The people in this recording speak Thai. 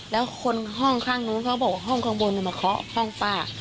แล้วคนห้องข้างนู้นเขาบอกว่าห้องข้างบนมาเคาะห้องป้า